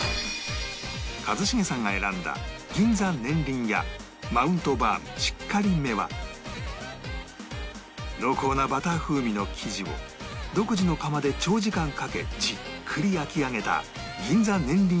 一茂さんが選んだ銀座ねんりん家マウントバームしっかり芽は濃厚なバター風味の生地を独自の窯で長時間かけじっくり焼き上げた銀座ねんりん